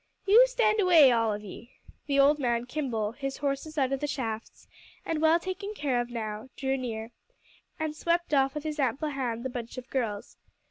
"You stand away, all of ye." The old man Kimball, his horses out of the shafts, and well taken care of, now drew near, and swept off with his ample hand the bunch of girls.